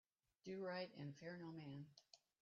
Do right and fear no man.